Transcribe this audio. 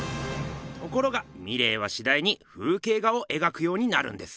ところがミレーはしだいに風景画を描くようになるんです。